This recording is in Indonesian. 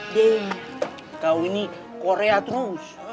deng kau ini korea terus